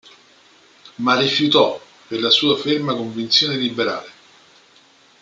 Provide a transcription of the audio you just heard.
Ma rifiutò, per la sua ferma convinzione Liberale.